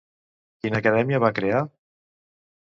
Quina acadèmia va crear?